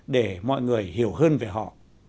để mọi người hiểu hơn về họ